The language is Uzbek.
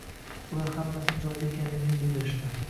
Ular hammasi joyida ekanligini bildirishdi